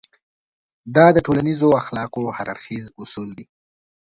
دا د ټولنيزو اخلاقو هر اړخيز اصول دی.